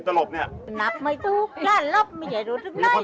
ชอบมาบน